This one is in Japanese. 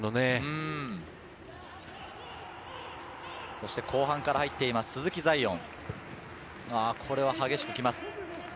そして後半から入っている鈴木彩艶、これは激しく来ます。